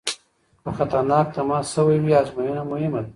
که خطرناک تماس شوی وي ازموینه مهمه ده.